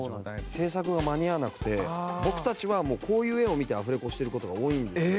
制作が間に合わなくて僕たちはもうこういう絵を見てアフレコをしてる事が多いんですよ。